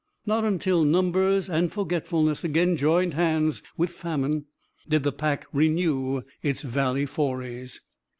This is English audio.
Not until numbers and forgetfulness again joined hands with famine, did the pack renew its Valley forays.